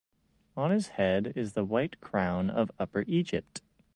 On his head is the White Crown of Upper Egypt.